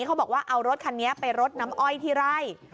เขาบอกว่าเอารถคันนี้ไปรดน้ำอ้อยที่ไร่